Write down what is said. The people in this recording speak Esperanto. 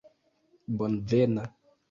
bonvena